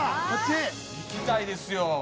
いきたいですよ。